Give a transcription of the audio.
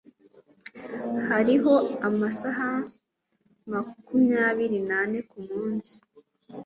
Hariho amasaha makumyabiri nane kumunsi.